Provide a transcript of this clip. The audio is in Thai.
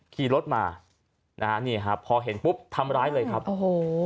ขี่รถมานะฮะนี่ครับพอเห็นปุ๊บทำร้ายเลยครับโอ้โห